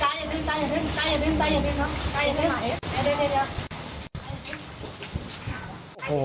เป็นอะไรพ่อ